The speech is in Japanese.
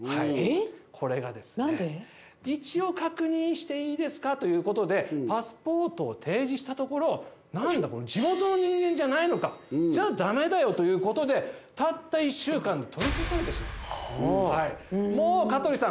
これがですね、一応確認していいですかということで、パスポートを提示したところ、なんだ、地元の人間じゃないのか、じゃあ、だめだよということで、たった１週間で取り消されてしまったと。